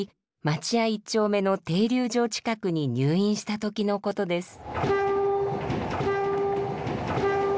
町屋一丁目の停留場近くに入院した時のことです。